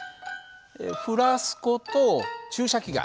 フラスコと注射器がある。